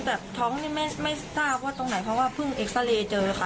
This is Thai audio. แต่ท้องนี่ไม่ทราบว่าตรงไหนเพราะว่าเพิ่งเอ็กซาเรย์เจอค่ะ